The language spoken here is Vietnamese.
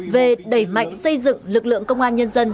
về đẩy mạnh xây dựng lực lượng công an nhân dân